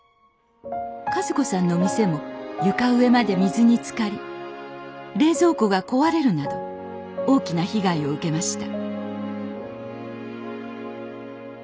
和子さんの店も床上まで水につかり冷蔵庫が壊れるなど大きな被害を受けました